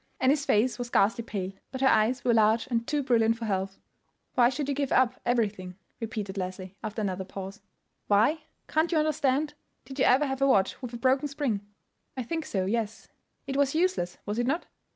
Annie's face was ghastly pale; but her eyes were large and too brilliant for health. "Why should you give up everything?" repeated Leslie, after another pause. "Why? Can't you understand? Did you ever have a watch with a broken spring?" "I think so; yes." "It was useless, was it not?"